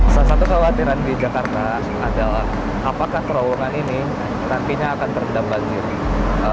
salah satu khawatiran di jakarta adalah apakah kerowokan ini nantinya akan terdampak di sini